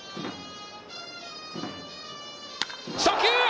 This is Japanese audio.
初球。